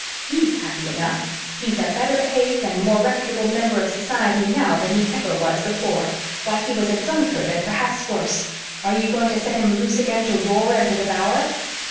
HE'S happy enough. He's a better behaved and more reputable member of society now than he ever was before. "Why, he was a drunkard and perhaps worse. Are you going to set him loose again to roar and to devour?"